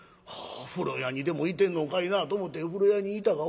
風呂屋にでもいてんのかいなと思て風呂屋に行たがおらん。